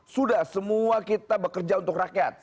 sudah semua kita bekerja untuk rakyat